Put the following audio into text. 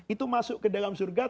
itu masuk ke dalam surga